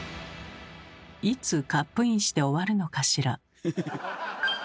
いつカップインして終わるのかしら？